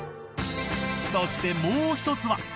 そしてもう１つは。